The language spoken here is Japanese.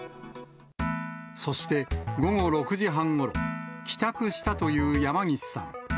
そして、午後６時半ごろ、帰宅したという山岸さん。